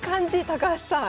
高橋さん。